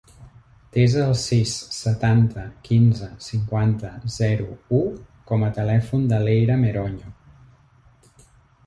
Desa el sis, setanta, quinze, cinquanta, zero, u com a telèfon de l'Eira Meroño.